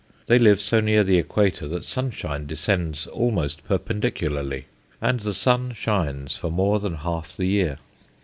They live so near the equator that sunshine descends almost perpendicularly and the sun shines for more than half the year.